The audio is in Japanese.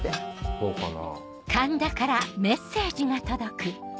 そうかな。